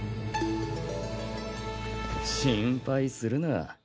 心配するな。